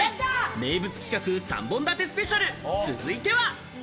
名物企画３本立てスペシャル、続いては。